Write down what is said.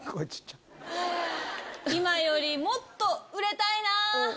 今よりもっと売れたいなぁ！